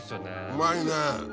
うまいね。